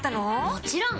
もちろん！